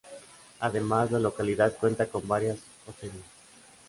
Además, la localidad cuenta con varias hosterías.